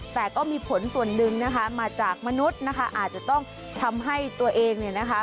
แต่ก็มีผลส่วนหนึ่งนะคะมาจากมนุษย์นะคะอาจจะต้องทำให้ตัวเองเนี่ยนะคะ